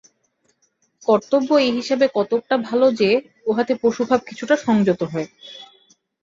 কর্তব্য এই হিসাবে কতকটা ভাল যে, উহাতে পশুভাব কিছুটা সংযত হয়।